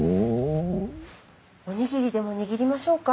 おにぎりでも握りましょうか？